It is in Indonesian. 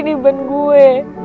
di ben gue